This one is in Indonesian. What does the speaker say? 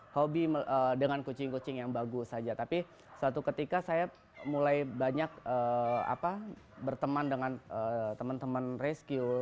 hobi dengan kucing kucing yang bagus saja tapi suatu ketika saya mulai banyak berteman dengan teman teman rescue